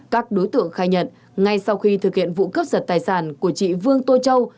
các đối tượng khai nhận ngay sau khi thực hiện vụ cướp giật tài sản của chị vương tô châu